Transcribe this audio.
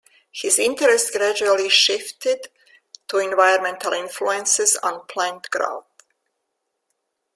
His interest gradually shifted to environmental influences on plant growth.